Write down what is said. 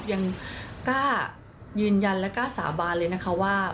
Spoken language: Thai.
ยังกล้ายืนยันและกล้าสาบานเลยนะคะว่า